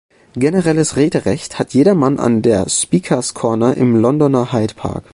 Generelles „Rederecht“ hat jedermann an der Speakers’ Corner im Londoner Hyde Park.